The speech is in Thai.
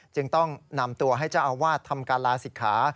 จึงต้องนำตัวให้เจ้าอาวาสทำการลาศิกขา